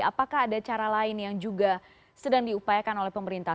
apakah ada cara lain yang juga sedang diupayakan oleh pemerintah